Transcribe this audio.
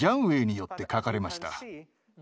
ウェイによって描かれました。